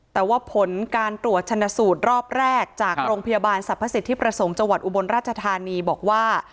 แต่ว่าผลการตรวจชนสูตรรอบแรกจากโรงพยาบาลสรรพสิทธิประสงค์จังหวัดอุบลราชธานีบอกว่า